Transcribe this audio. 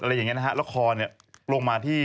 อะไรอย่างนี้นะคะละครลงมาที่